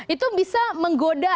itu bisa menggoda